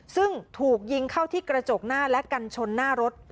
ซึ่งถูกยิงเข้าที่กระจกหน้าและกันชนหน้ารถ